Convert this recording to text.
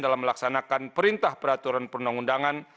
dalam melaksanakan perintah peraturan perundangan